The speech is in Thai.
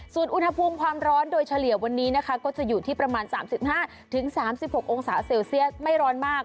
ส่วนอุณหภูมิความร้อนโดยเฉลี่ยวันนี้นะคะก็จะอยู่ที่ประมาณ๓๕๓๖องศาเซลเซียสไม่ร้อนมาก